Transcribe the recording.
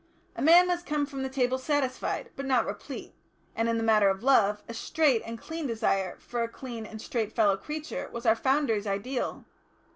A man must come from the table satisfied, but not replete. And, in the matter of love, a straight and clean desire for a clean and straight fellow creature was our Founders' ideal.